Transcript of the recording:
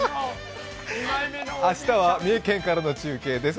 明日は三重県からの中継です。